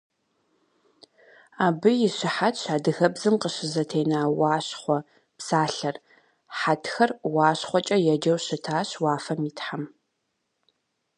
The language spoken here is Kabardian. Абы и щыхьэтщ адыгэбзэм къыщызэтена «уащхъуэ» псалъэр: хьэтхэр УащхъуэкӀэ еджэу щытащ уафэм и тхьэм.